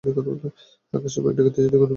আকাশে মেঘ ডাকিতেছে, দিগন্তে বিদ্যুৎ হানিতেছে।